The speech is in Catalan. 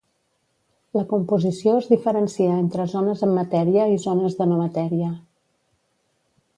La composició es diferencia entre zones amb matèria i zones de no matèria.